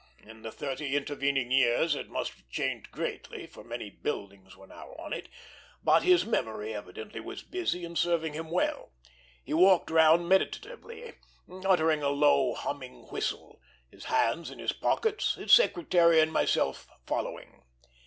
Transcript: In the thirty intervening years it must have changed greatly, for many buildings were now on it; but his memory evidently was busy and serving him well. He walked round meditatively, uttering a low, humming whistle, his hands in his pockets, his secretary and myself following.